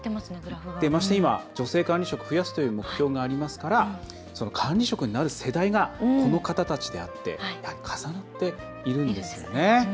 まして今、女性管理職増やすという目的がありますから管理職になる世代がこの方たちであって重なっているんですね。